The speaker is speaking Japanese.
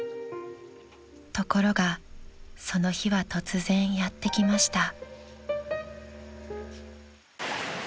［ところがその日は突然やって来ました］